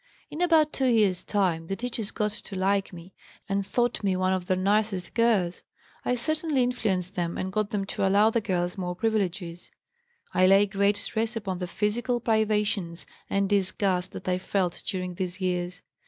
"In about two years' time the teachers got to like me and thought me one of their nicest girls. I certainly influenced them and got them to allow the girls more privileges. "I lay great stress upon the physical privations and disgust that I felt during these years.